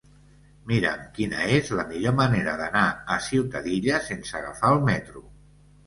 Mira'm quina és la millor manera d'anar a Ciutadilla sense agafar el metro.